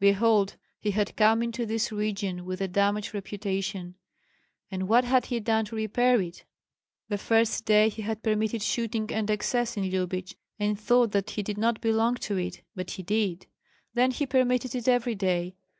Behold, he had come into this region with a damaged reputation, and what had he done to repair it? The first day he had permitted shooting and excess in Lyubich, and thought that he did not belong to it, but he did; then he permitted it every day.